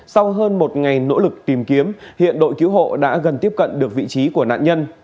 sau hơn một ngày nỗ lực tìm kiếm hiện đội cứu hộ đã gần tiếp cận được vị trí của nạn nhân